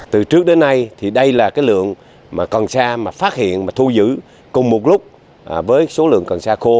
từ trước đến nay đây là lượng cần xa phát hiện và thu giữ cùng một lúc với số lượng cần xa khô